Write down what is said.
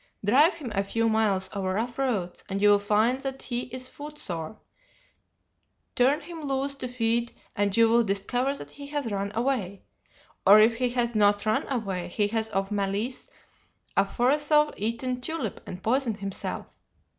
Drive him a few miles over rough roads and you will find that he is footsore; turn him loose to feed and you will discover that he has run away, or if he has not run away he has of malice aforethought eaten 'tulip' and poisoned himself.